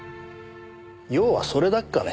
用はそれだけかね？